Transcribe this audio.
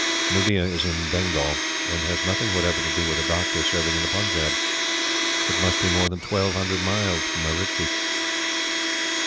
Nuddea is in Bengal, and has nothing whatever to do with a doctor serving in the Punjab. It must be more than twelve hundred miles from Meridki.